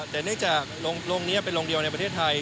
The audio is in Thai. แต่เนื่องจากโรงนี้เป็นโรงเดียวในประเทศไทย